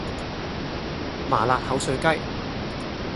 麻辣口水雞